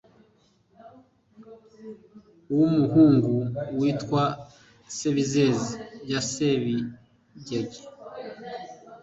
W'umuhungu witwa Sebizeze byasabigege